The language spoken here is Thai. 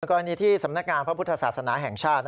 กรณีที่สำนักงานพระพุทธศาสนาแห่งชาติ